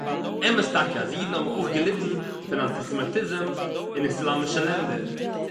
אמת טאַקע אַז אידן האָבן אויך געליטן פון אַנטיסעמיטיזם אין איסלאַמישע לענדער